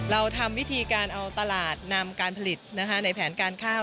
เราทำวิธีการเอาตลาดนำการผลิตในแผนการข้าว